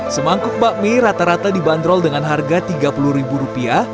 semangkuk bakmi rata rata dibanderol dengan harga tiga puluh ribu rupiah